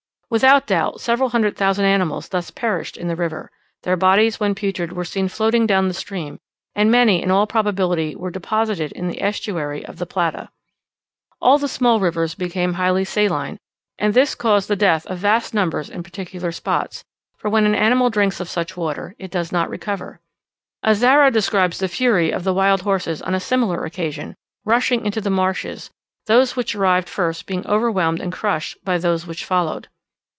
Without doubt several hundred thousand animals thus perished in the river: their bodies when putrid were seen floating down the stream; and many in all probability were deposited in the estuary of the Plata. All the small rivers became highly saline, and this caused the death of vast numbers in particular spots; for when an animal drinks of such water it does not recover. Azara describes the fury of the wild horses on a similar occasion, rushing into the marshes, those which arrived first being overwhelmed and crushed by those which followed.